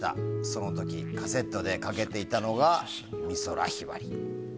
その時カセットでかけていたのが美空ひばり。